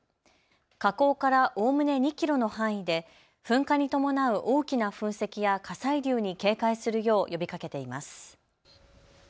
火口からおおむね２キロの範囲で噴火に伴う大きな噴石や火砕流に警戒するよう呼びかけています。